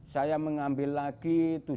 saya mengambil lagi tujuh puluh delapan